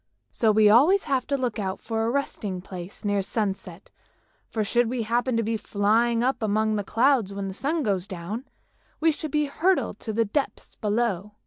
So we always have to look out for a resting place near sunset, for should we happen to be flying up among the clouds when the sun goes down, we should be hurled to the depths below.